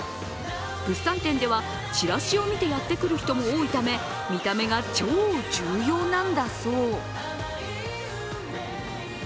物産展ではチラシを見てやってくる人も多いため見た目が超重要なんだそう。